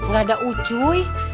gak ada ucuy